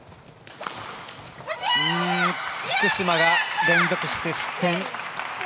福島が連続して失点。